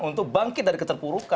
untuk bangkit dari keterpurukan